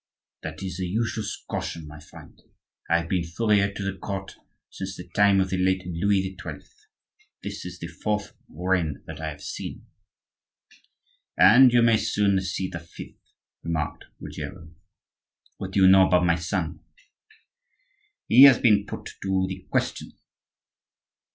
"That is a useless caution, my friend; I have been furrier to the court since the time of the late Louis XII.; this is the fourth reign that I have seen." "And you may soon see the fifth," remarked Ruggiero. "What do you know about my son?" "He has been put to the question."